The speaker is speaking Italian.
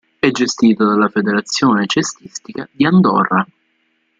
È gestita dalla "Federazione cestistica di Andorra".